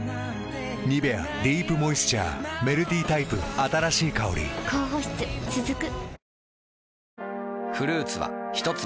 「ニベアディープモイスチャー」メルティタイプ新しい香り高保湿続く。